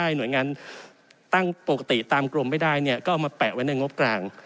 หน่วยงานตั้งปกติตามกรมไม่ได้เนี่ยก็เอามาแปะไว้ในงบกลาง